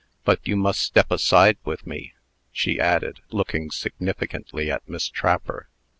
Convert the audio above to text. But you must step aside with me," she added, looking significantly at Miss Trapper.